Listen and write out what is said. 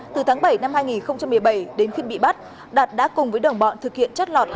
từ tháng bảy năm hai nghìn một mươi bảy đến khi bị bắt đạt đã cùng với đồng bọn thực hiện chất lọt